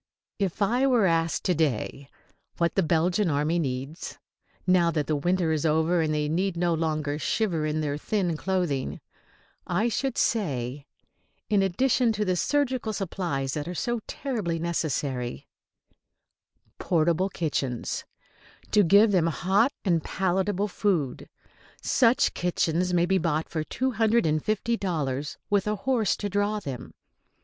If I were asked to day what the Belgian army needs, now that winter is over and they need no longer shiver in their thin clothing, I should say, in addition to the surgical supplies that are so terribly necessary, portable kitchens, to give them hot and palatable food. Such kitchens may be bought for two hundred and fifty dollars, with a horse to draw them.